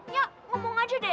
nyak ngomong aja deh